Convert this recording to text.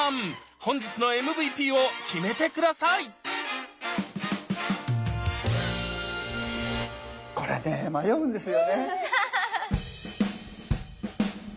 本日のＭＶＰを決めて下さいこれね迷うんですよね。